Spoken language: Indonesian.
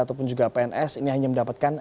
ataupun juga pns ini hanya mendapatkan